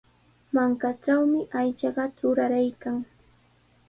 Mankatrawmi aychaqa truraraykan.